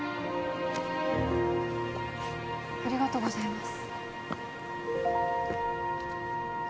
ありがとうございます